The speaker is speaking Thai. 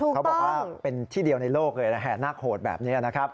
เขาบอกว่าเป็นที่เดียวในโลกเลยแห่นาคโหดแบบนี้นะครับ